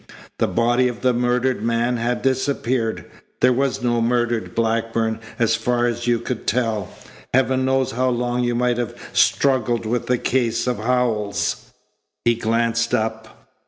The body of the murdered man had disappeared. There was no murdered Blackburn as far as you could tell. Heaven knows how long you might have struggled with the case of Howells." He glanced up.